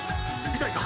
痛いか？